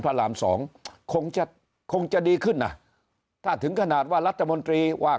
รามสองคงจะคงจะดีขึ้นอ่ะถ้าถึงขนาดว่ารัฐมนตรีว่า